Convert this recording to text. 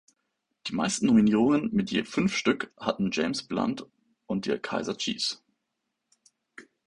Die meisten Nominierungen mit je fünf Stück hatten James Blunt und die Kaiser Chiefs.